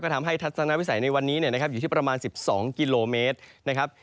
ทำให้ทัศนวิสัยในวันนี้นะครับอยู่ที่ประมาณ๑๒กิโลเมตรนะครับ